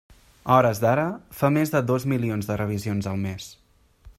A hores d'ara fa més de dos milions de revisions al mes.